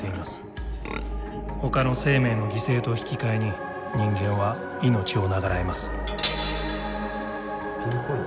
ほかの生命の犠牲と引き換えに人間は命を長らえます。